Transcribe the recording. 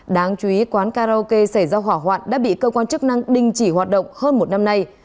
đáng chú ý quán karaoke xảy ra hỏa hoạn đã bị cơ quan chức năng đình chỉ hoạt động hơn một năm nay